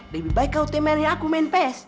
lebih baik kau temari aku main pes